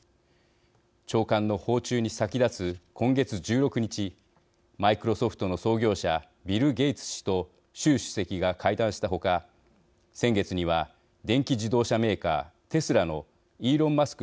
長官の訪中に先立つ今月１６日マイクロソフトの創業者ビル・ゲイツ氏と習主席が会談した他先月には電気自動車メーカーテスラのイーロン・マスク